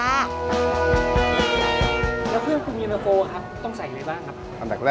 แล้วเพื่อนคุณยุนาโฟค่ะต้องใส่อะไรบ้างครับ